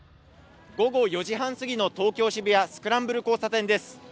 午後４時半すぎの東京・渋谷スクランブル交差点です。